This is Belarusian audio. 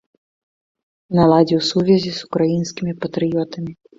Наладзіў сувязі з украінскімі патрыётамі.